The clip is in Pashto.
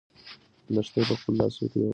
لښتې په خپلو لاسو کې د وړیو د اوبدلو هنر درلود.